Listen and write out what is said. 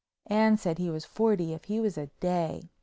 Anne said he was forty if he was a day.